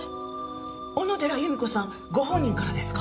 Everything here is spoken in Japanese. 小野寺由美子さんご本人からですか？